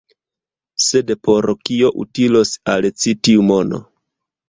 Sed por kio utilos al ci tiu mono?